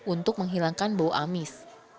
untuk menghilangkan bau amis